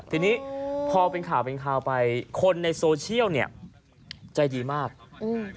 ทีนี้พอเป็นข่าวเป็นข่าวไปคนในโซเชียลเนี้ยใจดีมากอืม